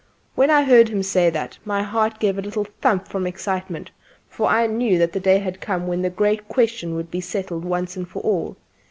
When I heard him say that my heart gave a little thump from excitement, for I knew the day had come when the great question would be settled once and for all.